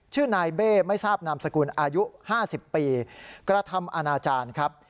ชื่อนายเบ้ไม่ทราบนามสกุลอายุ๕๐ปีกระทำอาณาจารย์ครับ